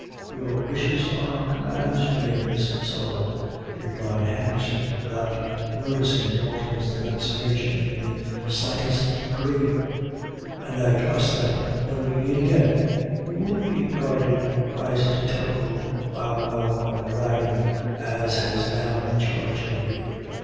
"Your wishes are commands to me, Miss Sullivan," replied Henderson, without noticing Dalton's denunciation in the slightest degree; "and, I trust that when we meet again, you won't be guarded by such a terrible bow wow of a dragon as has now charge of you.